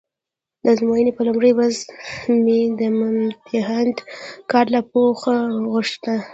د ازموینې په لومړۍ ورځ مې د ممتحنیت کارت لپاره پوښ غوښته.